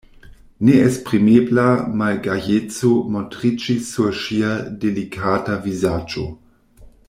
Neesprimebla malgajeco montriĝis sur ŝia delikata vizaĝo.